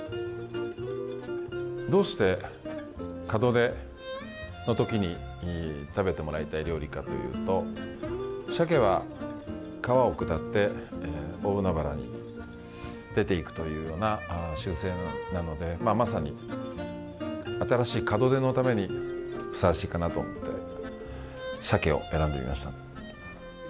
どうして、門出のときに食べてもらいたい料理かというとしゃけは川を下って、大海原に出ていくというような習性なのでまさに、新しい門出のためにふさわしいかなと思ってしゃけを選んでみました。